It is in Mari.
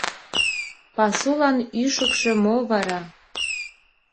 Пасулан ӱшыкшӧ мо вара?